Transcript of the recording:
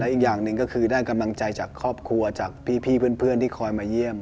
อีกอย่างหนึ่งก็คือได้กำลังใจจากครอบครัวจากพี่เพื่อนที่คอยมาเยี่ยม